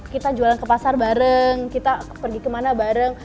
kita jualan ke pasar bareng kita pergi kemana bareng